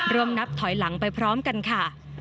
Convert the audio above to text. นับถอยหลังไปพร้อมกันค่ะ